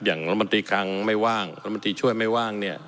อย่างรัฐมนตรีคลังไม่ว่างรัฐมนตรีช่วยไม่ว่างเนี่ย